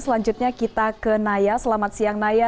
selanjutnya kita ke naya selamat siang naya